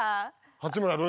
八村塁？